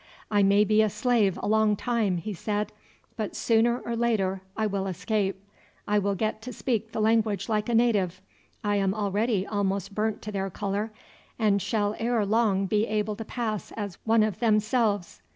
"I may be a slave a long time," he said, "but sooner or later I will escape. I will get to speak the language like a native. I am already almost burnt to their colour, and shall ere long be able to pass as one of themselves.